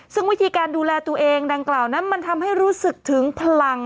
ซึ่งวิธีการดูแลตัวเองดังกล่าวนั้นมันทำให้รู้สึกถึงพลัง